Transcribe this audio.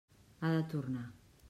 Ha de tornar.